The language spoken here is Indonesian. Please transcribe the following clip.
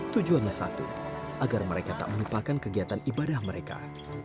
tujuannya satu agar mereka tak melupakan kegiatan ibadah mereka